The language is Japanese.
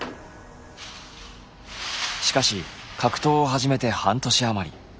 しかし格闘を始めて半年余り。